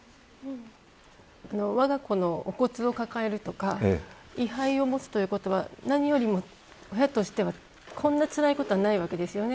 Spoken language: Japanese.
わが子のお骨を抱えるとか位牌を持つということは何よりも親としては、こんなつらいことはないわけですよね。